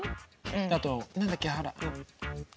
あと何だっけほら。